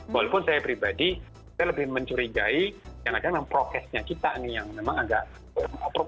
walaupun saya pribadi saya lebih mencurigai yang ada memang prokesnya kita nih yang memang agak